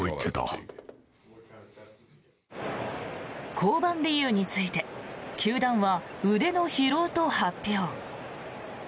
降板理由について球団は腕の疲労と発表。